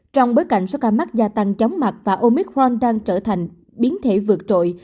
trong bối cảnh số ca mắc gia tăng chóng mặt và omicron đang trở thành biến thể vượt trội